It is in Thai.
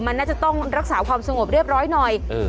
มันน่าจะต้องรักษาความสงบเรียบร้อยหน่อย